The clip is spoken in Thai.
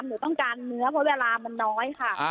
หนูต้องการเนื้อเพราะเวลามันน้อยค่ะ